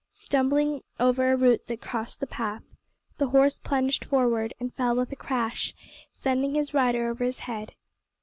Stumbling over a root that crossed the path, the horse plunged forward, and fell with a crash, sending his rider over his head.